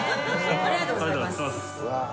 ありがとうございます。